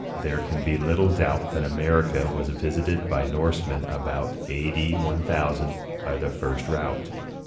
There can be little doubt that America was visited by Norsemen about A. D. 1000, by the first route.